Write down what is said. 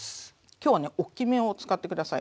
今日はねおっきめを使って下さい。